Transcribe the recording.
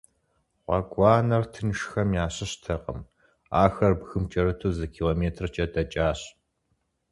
Гъуэгуанэр тыншхэм ящыщтэкъым - ахэр бгым кӏэрыту зы километркӏэ дэкӏащ.